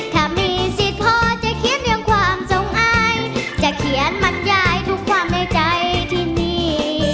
ถ้ามีสิทธิ์พอจะเขียนเรื่องความทรงอายจะเขียนบรรยายทุกความในใจที่นี่